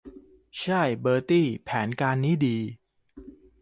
ใช่ เบอร์ตี้ แผนการนี้ดี